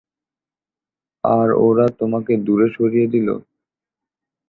আর ওরা তোমাকে দূরে সরিয়ে দিল?